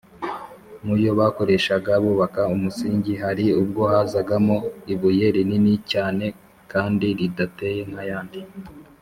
mu yo bakoreshaga bubaka umusingi hari ubwo hazagamo ibuye rinini cyane kandi ridateye nk’ayandi